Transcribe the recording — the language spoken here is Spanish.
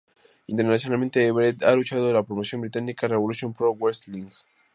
Internacionalmente, Everett ha luchado por la promoción británica Revolution Pro Wrestling.